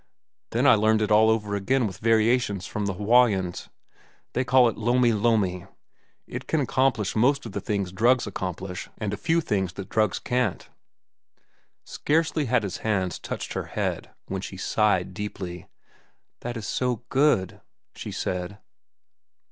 Then I learned it all over again with variations from the Hawaiians. They call it lomi lomi. It can accomplish most of the things drugs accomplish and a few things that drugs can't." Scarcely had his hands touched her head when she sighed deeply. "That is so good," she said.